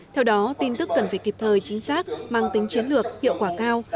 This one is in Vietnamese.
theo đó tin tức cần phải kịp thời chính xác mang tính chiến lược hiệu quả cao